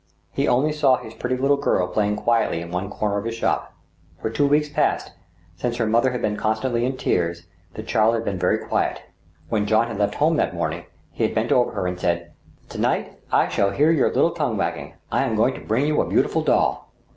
He only saw his pretty little girl playing quietly in one comer of his shop. For two weeks past, since her mother had been constantly in tears, the child had been very quiet. When Jean had left home that morning, he had bent over her and said :" To night, I shall hear your little tongue wagging ; I am going to bring you a beautiful doll."